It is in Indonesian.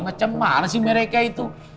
macam mana sih mereka itu